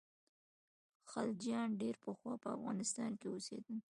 خلجیان ډېر پخوا په افغانستان کې اوسېدل.